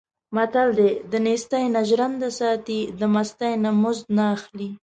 متل دی: دنېستۍ نه ژرنده ساتي، د مستۍ نه مزد نه اخلي.